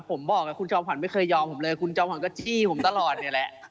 ผมบอกคุณจอมขวัญไม่เคยยอมผมเลยคุณจอมขวัญก็จี้ผมตลอดเนี่ยแหละ